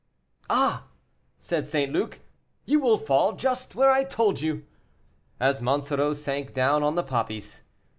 "Ah!" said St. Luc, "you will fall just where I told you," as Monsoreau sank down on the poppies.